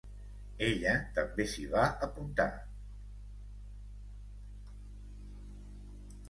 Ella també s'hi va apuntar.